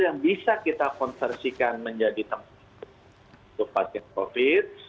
yang bisa kita konsersikan menjadi tempat untuk pasien covid sembilan belas